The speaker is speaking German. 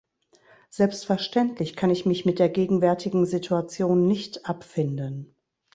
Selbstverständlich kann ich mich mit der gegenwärtigen Situation nicht abfinden.